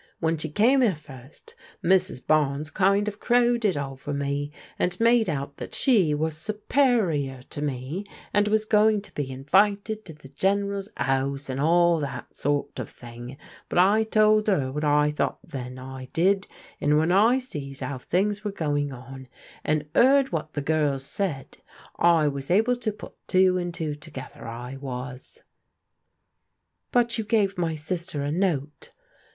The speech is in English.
When she came 'ere first, Mrs. Bames kind of crowed it over me, and made out that she was superior to me, and was going to be invited to the General's 'ouse and all that sort of ypui^; but I told 'et ^iiViall i(!Kio\y^x>&L<a^ldLd^ and when ti it "MISS STATHAM^' 361 I sees 'ow things were going on, and 'eard what the girls said, I was able to put two and two together, I was." " But you gave my sister a note?"